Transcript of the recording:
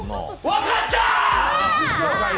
分かった！